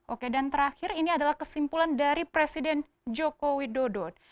oke dan terakhir ini adalah kesimpulan dari presiden joko widodo